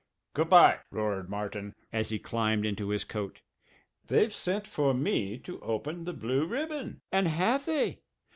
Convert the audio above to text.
"Goo'by!" roared Martin as he climbed into his coat. "They've sent for me to open the Blue Ribbon." "And have they?"